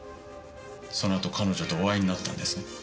そのあと彼女とお会いになったんですね？